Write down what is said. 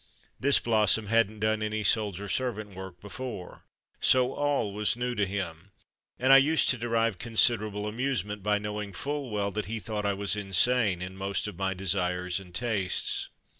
This blossom hadn't done any soldier servant work before, so all was new to him, and I used to derive considerable amuse ment by knowing full well that he thought I was insane in most of my desires and tastes.